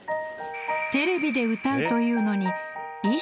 テレビで歌うというのに。